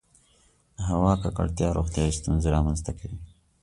• د هوا ککړتیا روغتیایي ستونزې رامنځته کړې.